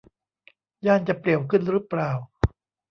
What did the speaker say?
ย่านจะเปลี่ยวขึ้นรึเปล่า